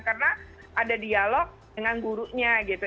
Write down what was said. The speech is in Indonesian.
karena ada dialog dengan gurunya gitu